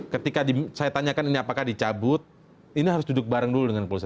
ketika saya tanyakan ini apakah dicabut ini harus duduk bareng dulu dengan polisi